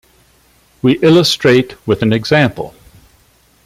We illustrate with an example.